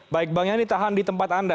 baik bang yani tahan di tempat anda